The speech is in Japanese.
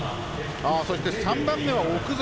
そして、３番目は奥園。